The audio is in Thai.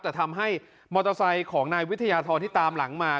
แต่ทำให้มอเตอร์ไซค์ของนายวิทยาธรที่ตามหลังมา